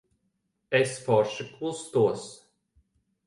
Es forši kustos.